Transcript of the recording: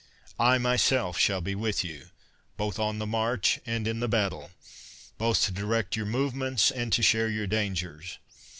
I myself shall be with you, both on the march and in the battle; both to direct your movements and to share your dangers.